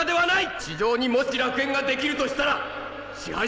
地上にもし楽園ができるとしたら支配者はいらない。